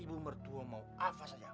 ibu mertua mau apa saja